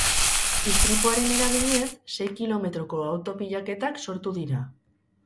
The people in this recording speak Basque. Istripuaren eraginez, sei kilometroko auto-pilaketak sortu dira.